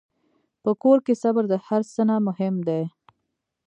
په کور کې صبر د هر څه نه مهم دی.